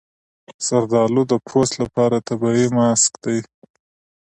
زردالو د پوست لپاره طبیعي ماسک دی.